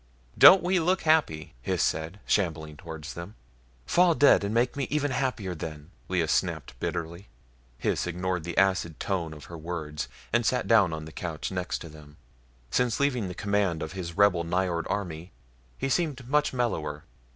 "Don't we look happy!" Hys said, shambling towards them. "Fall dead and make me even happier then," Lea snapped bitterly. Hys ignored the acid tone of her words and sat down on the couch next to them. Since leaving command of his rebel Nyjord army he seemed much mellower.